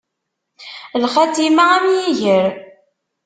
Lxatima am yiger.